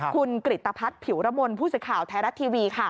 คุณกริตภัทรผิวระมลผู้สิทธิ์ข่าวไทยรัฐทีวี